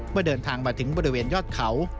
เมื่อเดินทางมาถึงบริเวณยอดเขา